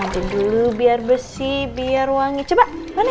aja dulu biar besi biar wangi coba